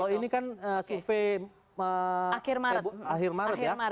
oh ini kan survei akhir maret ya